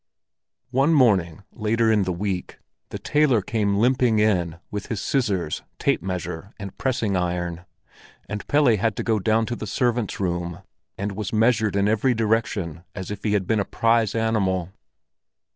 One morning later in the week, the tailor came limping in with his scissors, tape measure, and pressing iron, and Pelle had to go down to the servants' room, and was measured in every direction as if he had been a prize animal.